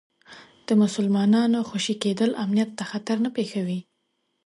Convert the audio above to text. د مسلمانانو خوشي کېدل امنیت ته خطر نه پېښوي.